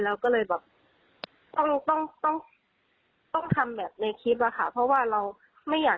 เราก็เลยต้องทำแบบในคลิปเพราะว่าเราไม่อยาก